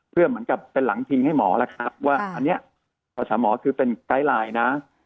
เพื่อเหมือนกับเป็นหลังทิ้งให้หมอล่ะครับว่าอันนี้ประสาทหมอคือเป็นไกลลายนะ